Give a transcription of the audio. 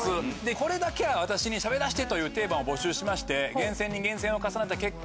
これだけは私にしゃべらせてというテーマを募集しまして厳選に厳選を重ねた結果